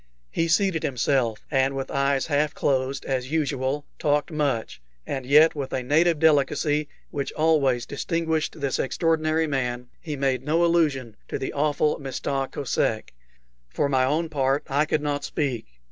He seated himself, and with eyes half closed, as usual, talked much; and yet, with a native delicacy which always distinguished this extraordinary man, he made no allusion to the awful Mista Kosek. For my own part, I could not speak.